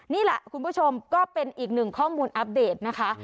นี่แหละคุณผู้ชมก็เป็นอีกหนึ่งข้อมูลอัปเดตนะคะ